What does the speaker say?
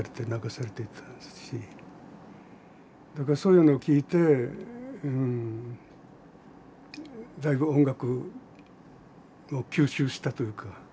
だからそういうのを聞いてだいぶ音楽を吸収したというか。